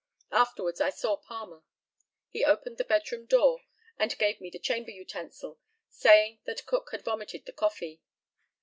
Afterwards I saw Palmer. He opened the bed room door and gave me the chamber utensil, saying that Cook had vomited the coffee.